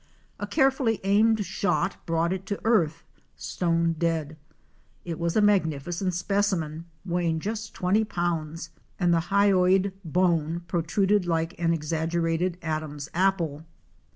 A care fully aimed shot brought it to earth, stone dead. It was a magnificent specimen weighing just twenty pounds and the hyoid bone protruded like an exaggerated Adam's apple.